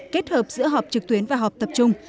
kết hợp giữa họp trực tuyến và họp tập trung